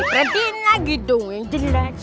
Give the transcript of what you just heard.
perhatiin lagi dong yang jelas